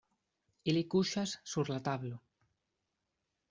Ili kuŝas sur la tablo.